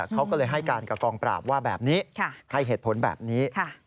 เขาก็เลยให้การกับกองปราบว่าแบบนี้ให้เหตุผลแบบนี้